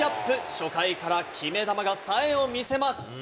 初回から決め球がさえを見せます。